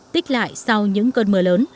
tích lại sau những cơn mưa lớn